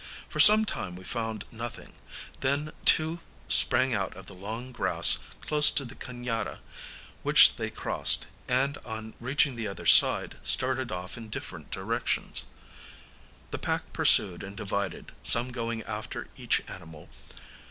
For some time we found nothing; then two sprang out of the long grass close to the ca├▒ada, which they crossed, and, on reaching the other side, started off in different directions. The pack pursued and divided, some going after each animal.